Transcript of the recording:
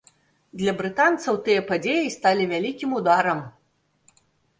Для брытанцаў тыя падзеі сталі вялікім ударам.